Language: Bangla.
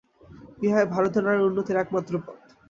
ইহাই ভারতীয় নারীর উন্নতির একমাত্র পথ।